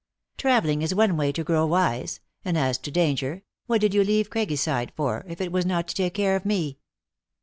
" Traveling is one way to grow wise ; and as to danger, what did you leave Craiggyside for, if it was not to take care of me